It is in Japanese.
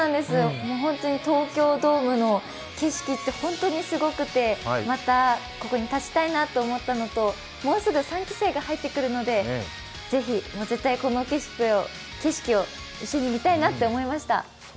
東京ドームの景色って本当にすごくて、またここに立ちたいなと思ったのともうすぐ３期生が入ってくるのでぜひ、絶対この景色を一緒に見たいなって思いました。